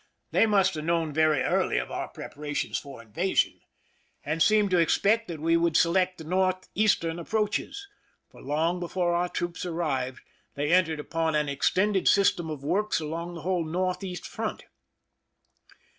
They must have known very early of our preparations for invasion, and seemed to expect that we would select the northeastern approaches, for long before our troops arrived they entered upon an extended system of works along the whole northeast front.